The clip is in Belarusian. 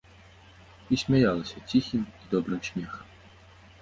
І смяялася ціхім і добрым смехам.